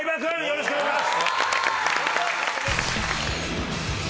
よろしくお願いします。